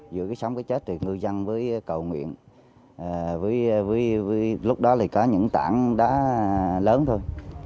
giữa cái sống cái chết người dân với cầu nguyện lúc đó thì có những tảng đó lớn thôi